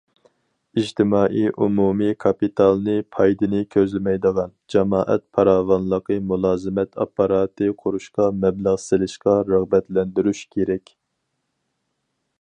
ئىجتىمائىي ئومۇمىي كاپىتالنى پايدىنى كۆزلىمەيدىغان جامائەت پاراۋانلىقى مۇلازىمەت ئاپپاراتى قۇرۇشقا مەبلەغ سېلىشقا رىغبەتلەندۈرۈش كېرەك.